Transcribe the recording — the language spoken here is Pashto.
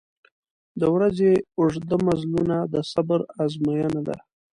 • د ورځې اوږده مزلونه د صبر آزموینه ده.